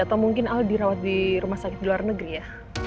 atau mungkin al dirawat di rumah sakit di luar negeri ya